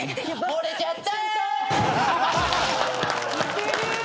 「ほれちゃった！」